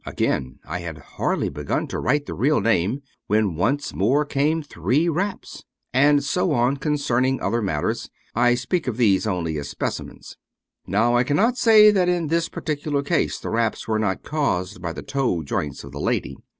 Again I had hardly begun to write the real name, when once more came three raps. And so on, concerning other matters. I speak of these only as specimens. *' Now, I cannot say that in this particular case the raps were not caused by the toe joints of the lady.